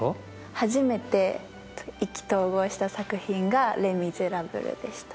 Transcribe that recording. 初めて意気投合した作品が『レ・ミゼラブル』でした。